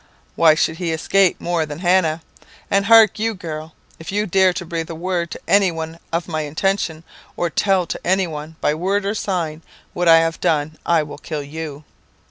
why should he escape more than Hannah? And hark you, girl, if you dare to breathe a word to any one of my intention, or tell to any one, by word or sign, what I have done, I'll kill you!'